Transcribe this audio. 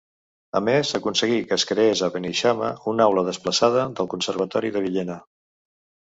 A més, aconseguí que es creés a Beneixama una aula desplaçada del Conservatori de Villena.